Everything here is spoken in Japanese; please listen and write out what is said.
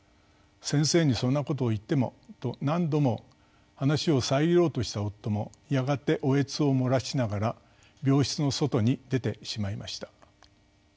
「先生にそんなことを言っても」と何度も話を遮ろうとした夫もやがておえつを漏らしながら病室の外に出てしまいました。